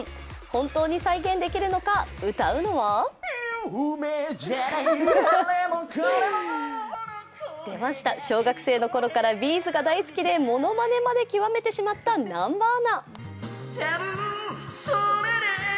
本当に再現できるのか、歌うのは出ました、小学生のころからＢ’ｚが大好きでものまねまで極めてしまった南波アナ。